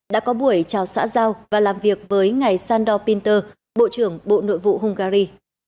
đã có buổi chào xã giao và làm việc với ngài sandor pinter bộ trưởng bộ nội vụ hungary